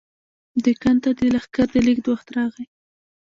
دکن ته د لښکر د لېږد وخت راغی.